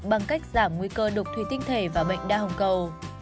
bằng cách giảm nguy cơ đục thủy tinh thể và bệnh đa hồng cầu